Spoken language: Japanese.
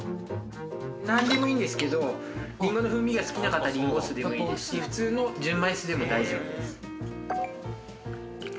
なんでもいいんですけどリンゴの風味が好きな方はリンゴ酢でもいいですし普通の純米酢でも大丈夫です。